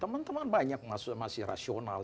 teman teman banyak masih rasional